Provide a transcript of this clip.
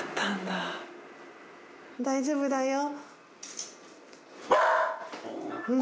大丈夫だよ。